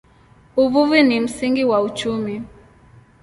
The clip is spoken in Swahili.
Uvuvi ni msingi wa uchumi.